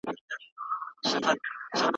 د زده کوونکو لپاره د لیکوالۍ روزنې ټولګي نه وو.